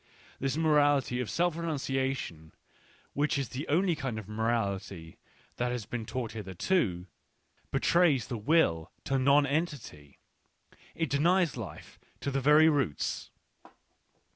This morality of self renunciation, which is the only kind of morality that has been taught hitherto, be trays the will to nonentity — it denies life to the very roots.